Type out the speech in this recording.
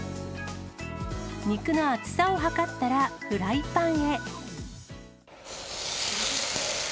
肉の厚さを測ったら、フライパンへ。